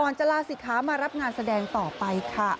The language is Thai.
จะลาศิกขามารับงานแสดงต่อไปค่ะ